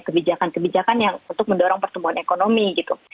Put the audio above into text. kebijakan kebijakan yang untuk mendorong pertumbuhan ekonomi gitu